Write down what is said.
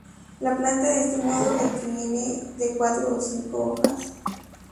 La planta de este modo retiene de cuatro a cinco hojas.